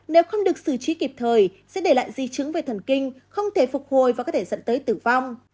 nếu không được xử trí kịp thời sẽ để lại di chứng về thần kinh không thể phục hồi và có thể dẫn tới tử vong